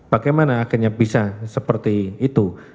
bagaimana akhirnya bisa seperti itu